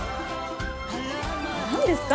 何ですか？